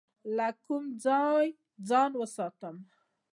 له کوم ځای ځان وساتم؟